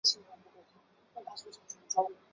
得到了昨天的讯息